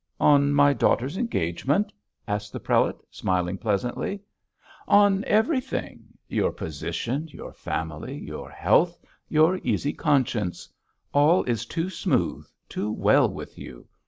'On my daughter's engagement?' asked the prelate, smiling pleasantly. 'On everything. Your position, your family, your health, your easy conscience; all is too smooth, too well with you.